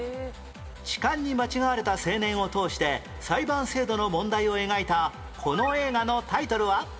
痴漢に間違われた青年を通して裁判制度の問題を描いたこの映画のタイトルは？